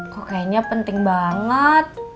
kok kayaknya penting banget